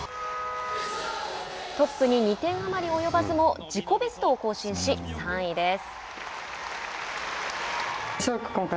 トップに２点余り及ばずも自己ベストを更新し３位です。